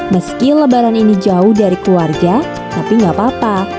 meski lebaran ini jauh dari keluarga tapi nggak papa